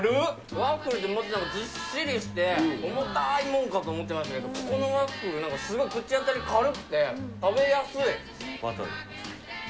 ワッフルってもっとなんかずっしりして、重たいものかと思ってましたけど、ここのワッフル、なんかすごい口当たり軽くて、バターで。